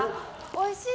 おいしい！